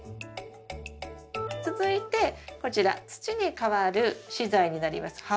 続いてこちら土に代わる資材になります。